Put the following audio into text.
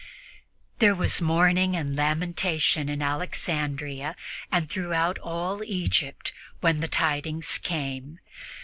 There was mourning and lamentation in Alexandria and throughout all Egypt when the tidings came.